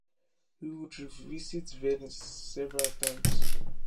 He would revisit Venice several times.